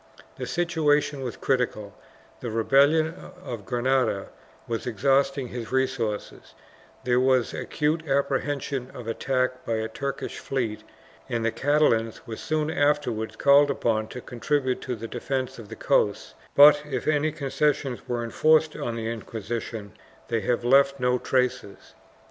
The situa tion was critical; the rebellion of Granada was exhausting his resources, there was acute apprehension of attack by a Turkish fleet arid the Catalans were soon afterwards called upon to con tribute to the defence of the coasts, but if any concessions were enforced on the Inquisition they have left no traces.